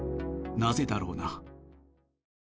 なぜだろうな。